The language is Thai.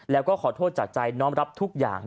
แล้วก็ขอโทษจากใจน้อมรับทุกอย่าง